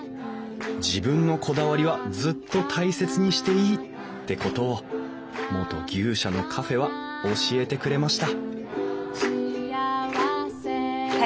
自分のこだわりはずっと大切にしていいってことを元牛舎のカフェは教えてくれました